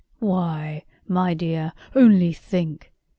"Why, my dear, only think.